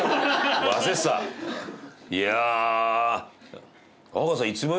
いや。